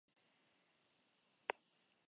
Sin embargo, se hace un último esfuerzo.